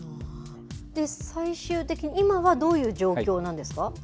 最終的に今はどういう状況なんですか。